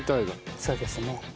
そうですね。